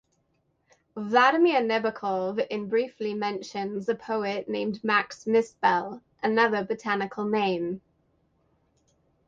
Vladimir Nabokov in briefly mentions a poet named Max Mispel, "another botanical name".